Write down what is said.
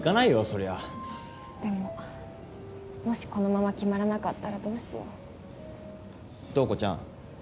そりゃでももしこのまま決まらなかったらどうしよう塔子ちゃん